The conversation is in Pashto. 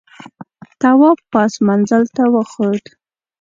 تواب پاس منزل ته وخوت.